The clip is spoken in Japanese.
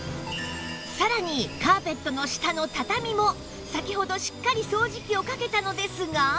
さらにカーペットの下の畳も先ほどしっかり掃除機をかけたのですが